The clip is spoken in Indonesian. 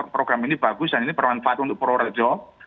program ini bagus dan ini bermanfaat untuk pro rejo